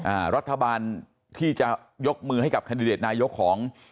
อ่ารัฐบาลที่จะยกมือให้กับแคนดิเดตนายกของ